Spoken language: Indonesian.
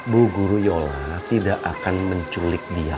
bu guru yola tidak akan menculik dia